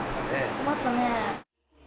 困ったね。